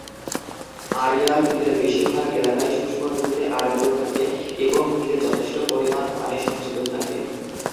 আড়িয়াল বিলের বেশিরভাগ এলাকাই শুষ্ক ঋতুতে আর্দ্র থাকে এবং বিলে যথেষ্ট পরিমাণ পানি সঞ্চিত থাকে।